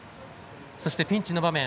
そしてピンチの場面